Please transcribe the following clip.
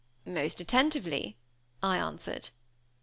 "Most attentively," I answered.